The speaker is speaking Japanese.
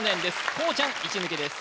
こうちゃん一抜けです